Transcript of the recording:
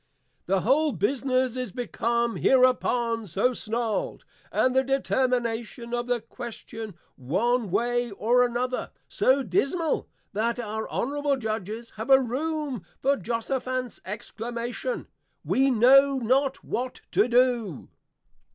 The whole business is become hereupon so Snarled, and the determination of the Question one way or another, so dismal, that our Honourable Judges have a Room for Jehoshaphat's Exclamation, _We know not what to do!